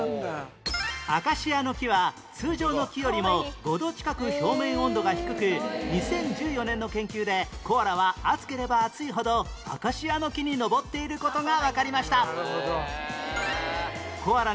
アカシアの木は通常の木よりも５度近く表面温度が低く２０１４年の研究でコアラは暑ければ暑いほどアカシアの木に登っている事がわかりました